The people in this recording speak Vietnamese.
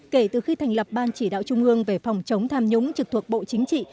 kể từ khi thành lập ban chỉ đạo trung ương về phòng chống tham nhũng trực thuộc bộ chính trị